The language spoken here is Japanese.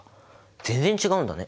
全然違うんだね。